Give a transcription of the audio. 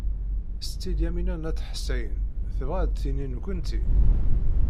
Setti Lyamina n At Ḥsayen tebɣa ad d-tini nekkenti?